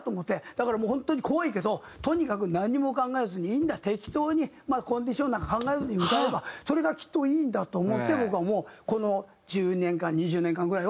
だからもう本当に怖いけどとにかくコンディションなんか考えずに歌えばそれがきっといいんだと思って僕はもうこの１０年間２０年間ぐらいは。